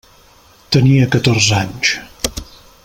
Tenia catorze anys.